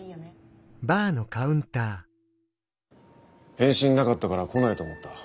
返信なかったから来ないと思った。